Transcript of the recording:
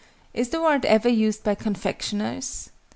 Is the word ever used by confectioners?